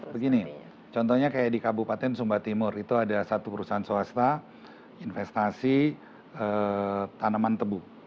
begini contohnya kayak di kabupaten sumba timur itu ada satu perusahaan swasta investasi tanaman tebu